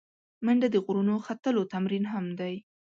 منډه د غرونو ختلو تمرین هم دی